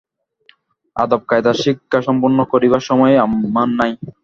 আদবকায়দার শিক্ষা সম্পূর্ণ করিবার সময় আমার নাই।